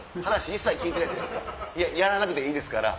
やらなくていいですから。